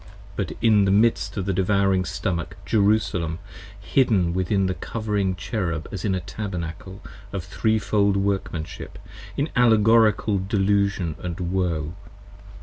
110 But in the midst of a devouring Stomach, Jerusalem Hidden within the Covering Cherub as in a Tabernacle 45 Of threefold workmanship, in allegoric delusion & woe.